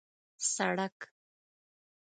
سړک